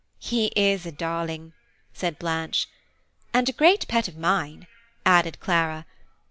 "He is a darling," said Blanche. "And a great pet of mine," added Clara.